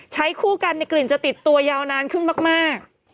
ใช้คู่กันในกลิ่นจะติดตัวยาวนานขึ้นมาก